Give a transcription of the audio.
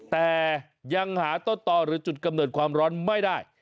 แต่ยังหาต้นต่อหรือจุดกำเนิดความร้อนไม่ได้